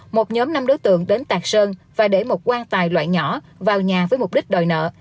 một nhóm năm đối tượng đến tạc sơn và để một quan tài loại nhỏ vào nhà với mục đích đòi nợ